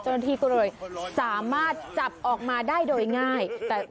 เจ้าหน้าที่ก็เลยสามารถจับออกมาได้โดยง่าย